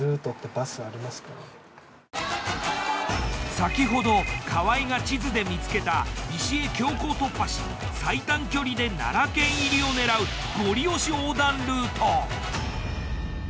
先ほど河合が地図で見つけた西へ強行突破し最短距離で奈良県入りを狙うゴリ押し横断ルート。